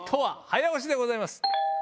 早押しでございます。